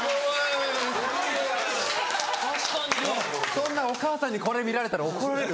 そんなお母さんにこれ見られたら怒られる。